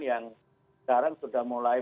yang sekarang sudah mulai